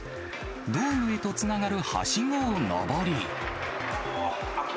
ドームへとつながるはしごを上り。